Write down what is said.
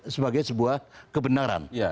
sebagai sebuah kebenaran